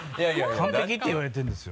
完璧って言われてるんですよ。